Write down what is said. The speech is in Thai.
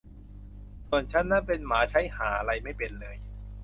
ส่วนฉันนั้นเป็นหมาใช้ห่าไรไม่เป็นเลย